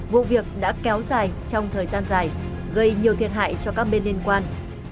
vụ việc đã kéo dài trong thời gian dài gây nhiều thiệt hại cho các bên liên quan